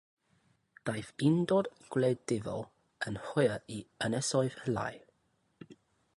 Daeth undod gwleidyddol yn hwyr i Ynysoedd Lau.